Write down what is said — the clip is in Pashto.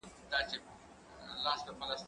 زه کولای سم سبزیحات وچوم!؟